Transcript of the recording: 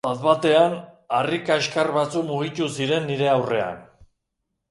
Bat-batean, harri kaxkar batzuk mugitu ziren nire aurrean.